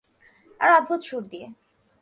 আর অদ্ভুত সূর দিয়ে।